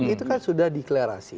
itu kan sudah deklarasi